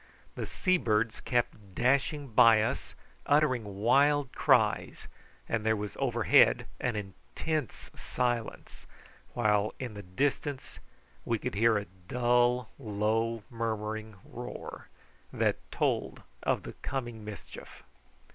The sea birds kept dashing by us, uttering wild cries, and there was overhead an intense silence, while in the distance we could hear a low dull murmuring roar, that told of the coming mischief.